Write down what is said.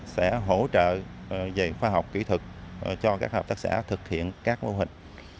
sẽ hỗ trợ dạy khoa học kỹ thuật cho các hợp tác xã thực hiện các mô hình